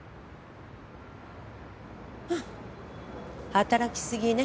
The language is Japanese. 働きすぎね。